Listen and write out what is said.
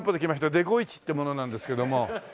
デゴイチって者なんですけども。